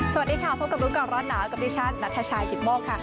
สวัสดีค่ะพบกับรู้ก่อนร้อนหนาวกับดิฉันนัทชายกิตโมกค่ะ